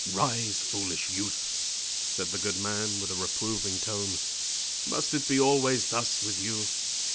"Rise, foolish youth," said the good man, with a reproving tone; "must it be always thus with you?